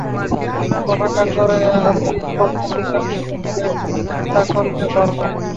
আমি অপেক্ষা করে আছি, কখন ওদের মতো করে চিন্তা করতে পারব।